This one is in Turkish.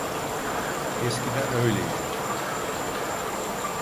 Eskiden öyleydim.